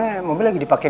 dan mau jadi lebih baik